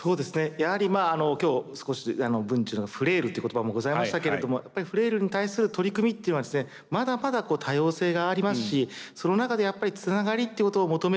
やはり今日少し聞知のフレイルっていう言葉もございましたけれどもやっぱりフレイルに対する取り組みっていうのはまだまだ多様性がありますしその中でやっぱりつながりっていうことを求める。